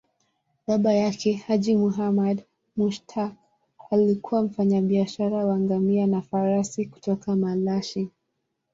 Baba yake, Haji Muhammad Mushtaq, alikuwa mfanyabiashara wa ngamia na farasi kutoka Malashi.